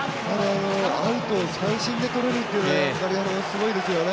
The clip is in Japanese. アウトを三振でとれるっていうのはすごいですよね。